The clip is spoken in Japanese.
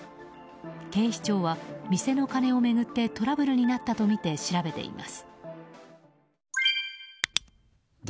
警視庁は店の金を巡ってトラブルになったとみて調べています。